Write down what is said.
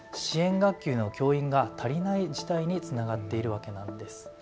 学級の教員が足りない事態につながっているわけなんです。